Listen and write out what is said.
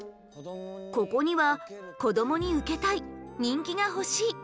ここには「こどもにウケたい！」「人気が欲しい！」